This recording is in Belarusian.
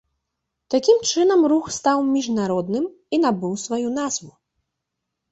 Такім чынам рух стаў міжнародным і набыў сваю назву.